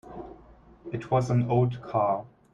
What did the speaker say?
It was an old car.